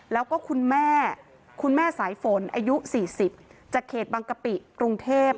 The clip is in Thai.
แล้วก็คุณแม่คุณแม่สายฝนอายุ๔๐จากเขตบังกะปิกรุงเทพ